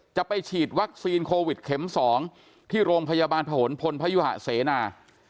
จะไปฉีดวัคซีนโควิดเข็ม๒ที่โรงพยาบาลผนพลพยุหะเสนา